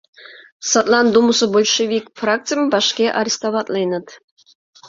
Садлан Думысо большевик фракцийым вашке арестоватленыт.